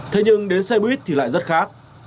thế nhưng đến xe buýt thì lại rất khác